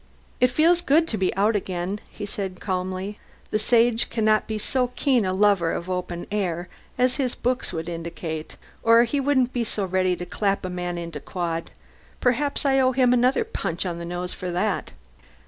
"It feels good to be out again," he said calmly. "The Sage cannot be so keen a lover of open air as his books would indicate, or he wouldn't be so ready to clap a man into quod. Perhaps I owe him another punch on the nose for that."